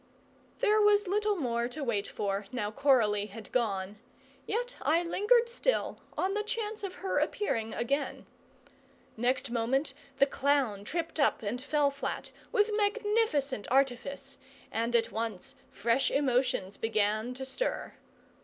There was little more to wait for, now Coralie had gone; yet I lingered still, on the chance of her appearing again. Next moment the clown tripped up and fell flat, with magnificent artifice, and at once fresh emotions began to stir.